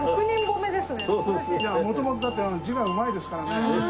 いや元々だって字がうまいですからね。